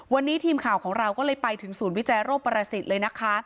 วันนี้ทีมข่าวของเราก็เลยไปถึงศูนย์วิจัยโรคประสิทธิ์เลยนะคะ